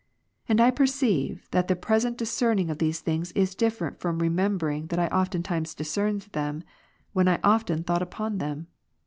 And I perceive, that the present discerning of these things is different from remembering that I oftentimes discerned them, when I often thought upon them.